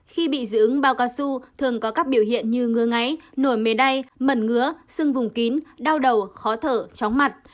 khi bị dị ứng bao cao su thường có các biểu hiện như ngứa ngáy nổi mề đay mẩn ngứa sưng vùng kín đau đầu khó thở chóng mặt